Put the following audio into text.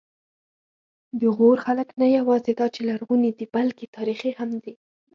د غور خلک نه یواځې دا چې لرغوني دي، بلکې تاریخي هم دي.